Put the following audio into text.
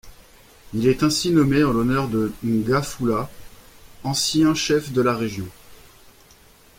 Il est ainsi nommé en l’honneur de Ngafula, ancien chef de la région.